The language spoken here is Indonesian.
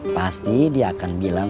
pasti dia akan bilang